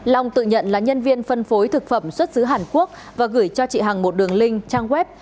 long tự nhận là nhân viên phân phối thực phẩm xuất xứ hàn quốc và gửi cho chị hằng một đường link trang web